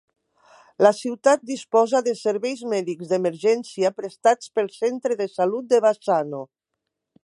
La ciutat disposa de serveis mèdics d'emergència prestats pel centre de salut de Bassano.